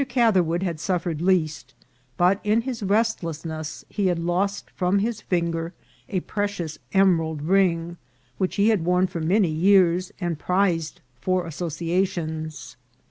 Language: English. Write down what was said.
Catherwood had suffered least, but in his restlessness he had lost from his finger a precious emerald ring, which he had worn for many years, and prized for associations.